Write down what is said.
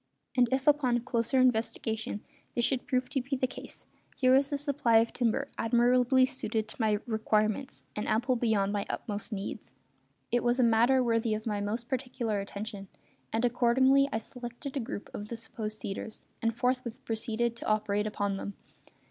And if upon closer investigation this should prove to be the case, here was a supply of timber admirably suited to my requirements and ample beyond my utmost needs. It was a matter worthy of my most particular attention; and accordingly I selected a group of the supposed cedars, and forthwith proceeded to operate upon them.